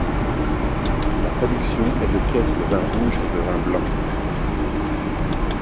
La production est de caisses de vin rouge et de vin blanc.